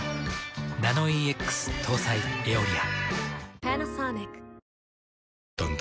ナノイーＸ搭載「エオリア」。